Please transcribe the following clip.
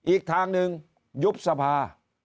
อีกทางหนึ่งยุบสภา